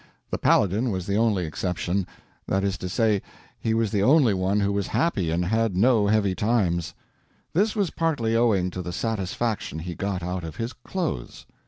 The Paladin was the only exception—that is to say, he was the only one who was happy and had no heavy times. This was partly owing to the satisfaction he got out of his clothes.